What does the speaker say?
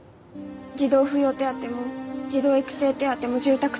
児童扶養手当も児童育成手当も住宅手当も。